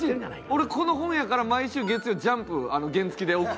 俺ここの本屋から毎週月曜『ジャンプ』原付で。